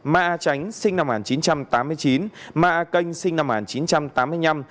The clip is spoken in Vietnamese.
ma a tránh sinh năm một nghìn chín trăm tám mươi chín ma a canh sinh năm một nghìn chín trăm tám mươi năm